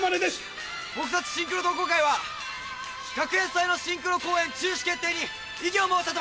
僕たちシンクロ同好会は学園祭のシンクロ公演中止決定に異議を申し立てます！